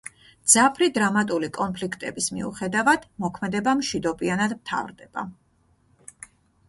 მძაფრი დრამატული კონფლიქტების მიუხედავად, მოქმედება მშვიდობიანად მთავრდება.